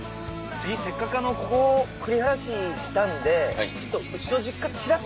次せっかくここ栗原市来たんでちょっと。